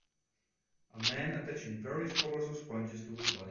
A man attaching various colors of sponges to his body.